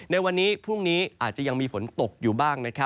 ในวันนี้พรุ่งนี้อาจจะยังมีฝนตกอยู่บ้าง